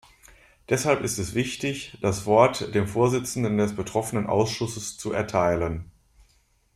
Deshalb ist es wichtig, das Wort dem Vorsitzenden des betroffenen Ausschusses zu erteilen.